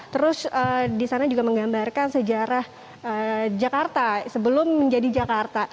terus di sana juga menggambarkan sejarah jakarta sebelum menjadi jakarta